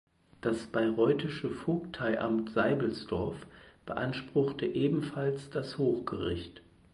Das bayreuthische Vogteiamt Seibelsdorf beanspruchte ebenfalls das Hochgericht.